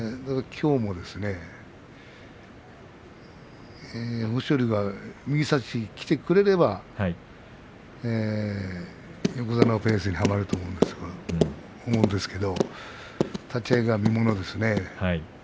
きょうも豊昇龍が右差しにきてくれれば横綱のペースにはまると思うんですけれども立ち合いが見ものですね。